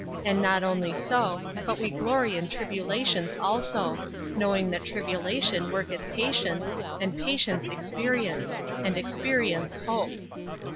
And not only so, but we glory in tribula tions also ; knowing that tribulation worketh patience ; and patience, experience ; and expe rience, hope."